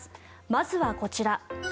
まずは、こちら。